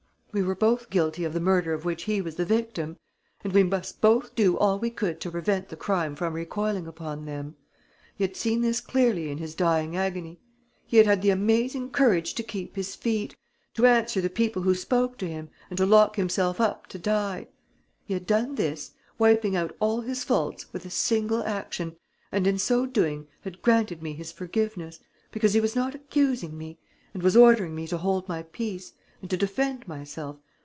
We were both guilty of the murder of which he was the victim; and we must both do all we could to prevent the crime from recoiling upon them.... He had seen this clearly in his dying agony. He had had the amazing courage to keep his feet, to answer the people who spoke to him and to lock himself up to die. He had done this, wiping out all his faults with a single action, and in so doing had granted me his forgiveness, because he was not accusing me ... and was ordering me to hold my peace ... and to defend myself